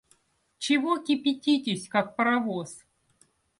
Чего кипятитесь, как паровоз?